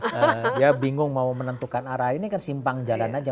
dia bingung mau menentukan arah ini kan simpang jalan aja